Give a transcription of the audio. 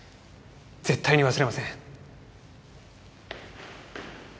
絶対に忘れません。